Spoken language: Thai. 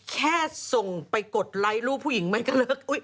แค่ส่งไปกดไลค์รูปผู้หญิงมันก็เลิก